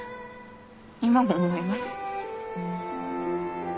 今も思います。